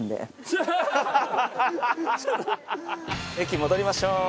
駅戻りましょう。